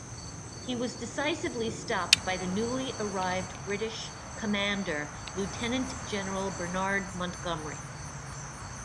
He was decisively stopped by the newly arrived British commander, Lieutenant General Bernard Montgomery.